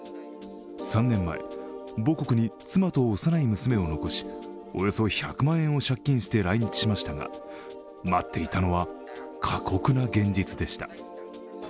３年前、母国に妻と幼い娘を残しおよそ１００万円を借金して来日しましたが待っていたのは過酷な現実でした。